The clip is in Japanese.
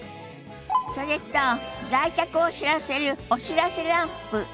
それと来客を知らせるお知らせランプ。